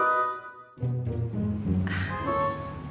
oke kita beli mobil baru